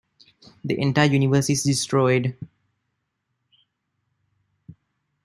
The entire universe is destroyed.